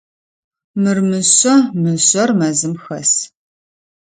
Мыр мышъэ, мышъэр мэзым хэс.